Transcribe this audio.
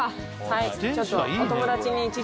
はい。